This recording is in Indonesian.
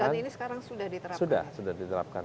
saat ini sekarang sudah diterapkan